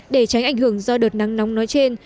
để tránh ảnh hưởng do đợt nắng nóng nói trên